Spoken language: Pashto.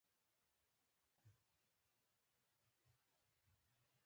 ازادي راډیو د کلتور پرمختګ او شاتګ پرتله کړی.